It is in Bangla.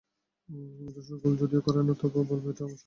যথেষ্ট গোল যদিও করেনি ওরা, তবুও বলব এটা আমাদের সেরা ম্যাচ।